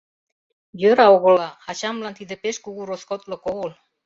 Йӧра огыла, ачамлан тиде пеш кугу роскотлык огыл.